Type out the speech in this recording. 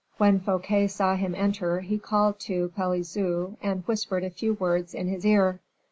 When Fouquet saw him enter, he called to Pelisson, and whispered a few words in his ear.